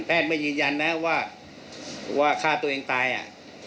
แพทย์ไม่ยืนยันนะฮะว่าว่าฆ่าตัวเองตายอ่ะ